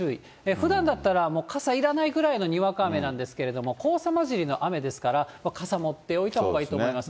ふだんだったら傘いらないくらいのにわか雨なんですけれども、黄砂交じりの雨ですから、傘持っておいたほうがいいと思います。